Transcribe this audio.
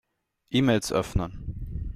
E-Mails öffnen.